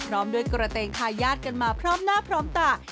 พร้อมด้วยกระเตงทายาทกันมาพร้อมหน้าพร้อมตา